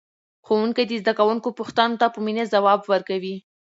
ښوونکی د زده کوونکو پوښتنو ته په مینه ځواب ورکوي